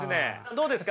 どうですか？